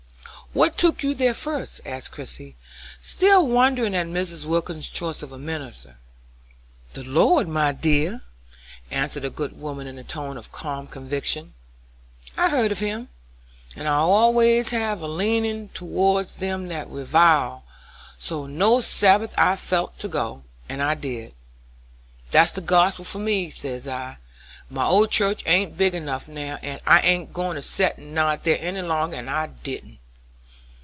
"What took you there first?" asked Christie, still wondering at Mrs. Wilkins's choice of a minister. "The Lord, my dear," answered the good woman, in a tone of calm conviction. "I'd heard of him, and I always have a leanin' towards them that's reviled; so one Sabbath I felt to go, and did. 'That's the gospel for me,' says I, 'my old church ain't big enough now, and I ain't goin' to set and nod there any longer,' and I didn't."